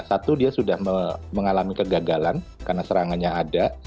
satu dia sudah mengalami kegagalan karena serangannya ada